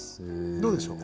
どうでしょう？